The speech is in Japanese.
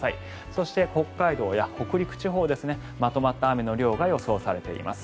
そして、北海道や北陸地方まとまった雨の量が予想されています。